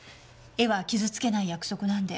絵は傷つけない約束なんで。